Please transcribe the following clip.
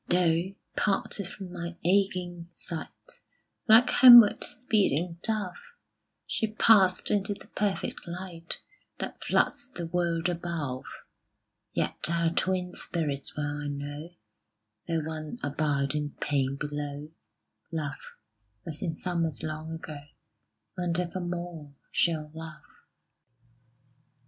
Though, parted from my aching sight, Like homeward speeding dove, She passed into the perfect light That floods the world above; Yet our twin spirits, well I know Though one abide in pain below Love, as in summers long ago, And evermore shall love.